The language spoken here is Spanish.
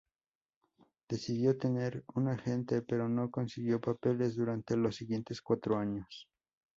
Decidió tener un agente, pero no consiguió papeles durante los siguientes cuatro años.